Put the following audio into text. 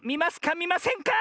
みませんか？